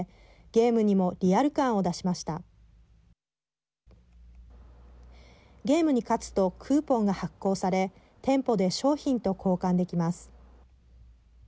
ゲームに勝つとクーポンが発行され店舗で商品と交換できます。